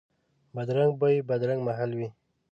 بدرنګ بوی، بدرنګ محل وي